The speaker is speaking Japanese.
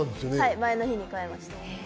前の日に変えました。